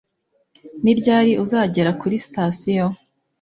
Ni ryari uzagera kuri sitasiyo?